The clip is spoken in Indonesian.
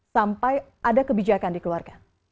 sampai ada kebijakan dikeluarkan